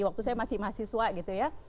waktu saya masih mahasiswa gitu ya